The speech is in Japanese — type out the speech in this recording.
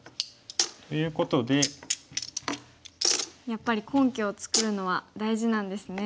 やっぱり根拠を作るのは大事なんですね。